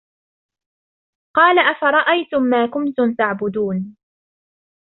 قَالَ أَفَرَأَيْتُمْ مَا كُنْتُمْ تَعْبُدُونَ